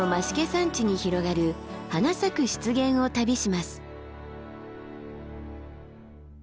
山地に広がる花咲く湿原を旅します。